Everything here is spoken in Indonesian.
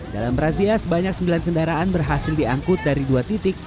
dalam razia sebanyak sembilan kendaraan berhasil diangkut dari dua titik